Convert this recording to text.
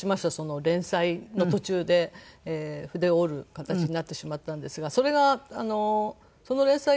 連載の途中で筆を折る形になってしまったんですがそれがその連載